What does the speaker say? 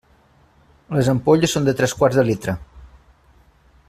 Les ampolles són de tres quarts de litre.